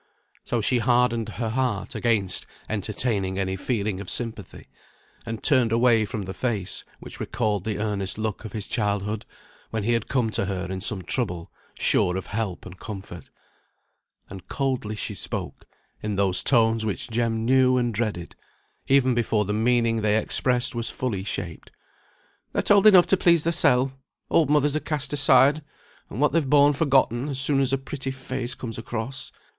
So she hardened her heart against entertaining any feeling of sympathy; and turned away from the face, which recalled the earnest look of his childhood, when he had come to her in some trouble, sure of help and comfort. And coldly she spoke, in those tones which Jem knew and dreaded, even before the meaning they expressed was fully shaped. "Thou'rt old enough to please thysel. Old mothers are cast aside, and what they've borne forgotten, as soon as a pretty face comes across.